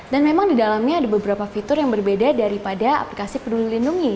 dan memang di dalamnya ada beberapa fitur yang berbeda daripada aplikasi peduli lindungi